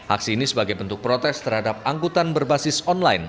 aksi ini sebagai bentuk protes terhadap angkutan berbasis online